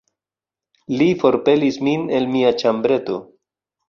Li forpelis min el mia ĉambreto...